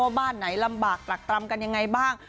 บ้านไหนลำบากตรักตรำกันยังไงบ้าง